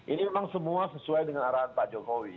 ini memang semua sesuai dengan arahan pak jokowi